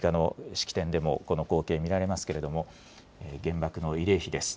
式典でもこの光景見られますけれども、原爆の慰霊碑です。